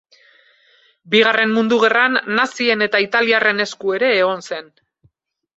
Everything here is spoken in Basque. Bigarren Mundu Gerran nazien eta italiarren esku ere egon zen.